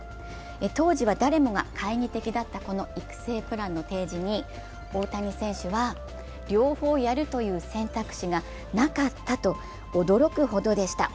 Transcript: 当時は誰もが懐疑的だったこの育成プランの提示に大谷選手は、両方やるという選択肢がなかったと驚くほどでした